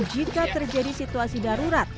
jika terjadi situasi darurat